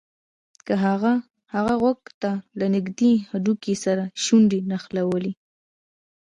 هغه غوږ ته له نږدې هډوکي سره شونډې نښلولې